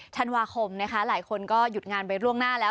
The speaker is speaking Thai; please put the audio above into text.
ธันวาคมนะคะหลายคนก็หยุดงานไปล่วงหน้าแล้ว